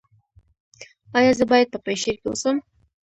ایا زه باید په پنجشیر کې اوسم؟